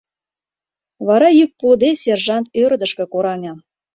Вара йӱк пуыде сержант ӧрдыжкӧ кораҥе.